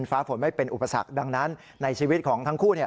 ฟ้าฝนไม่เป็นอุปสรรคดังนั้นในชีวิตของทั้งคู่เนี่ย